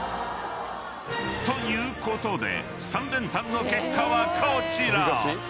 ［ということで３連単の結果はこちら］